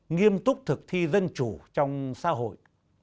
nghiêm túc thực thi dân chủ trong xã hội